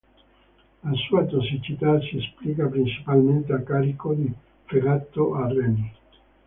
La sua tossicità si esplica principalmente a carico di fegato e reni.